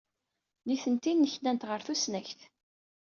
Nitenti nneknant ɣer tusnakt.